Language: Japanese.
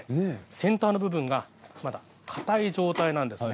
先端の部分がかたい状態です。